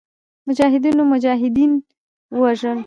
مجاهدینو مجاهدین وژل.